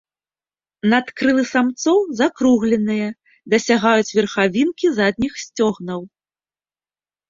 Надкрылы самцоў закругленыя, дасягаюць верхавінкі задніх сцёгнаў.